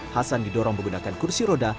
hasan didorong menggunakan kursi roda